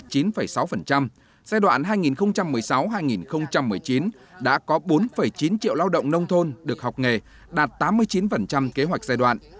giai đoạn hai nghìn một mươi sáu hai nghìn một mươi chín đã có bốn chín triệu lao động nông thôn được học nghề đạt tám mươi chín kế hoạch giai đoạn